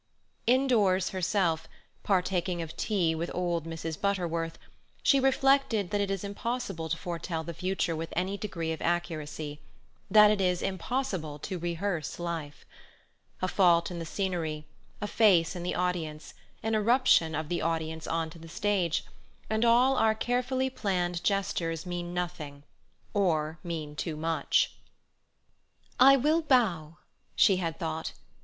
Indoors herself, partaking of tea with old Mrs. Butterworth, she reflected that it is impossible to foretell the future with any degree of accuracy, that it is impossible to rehearse life. A fault in the scenery, a face in the audience, an irruption of the audience on to the stage, and all our carefully planned gestures mean nothing, or mean too much. "I will bow," she had thought.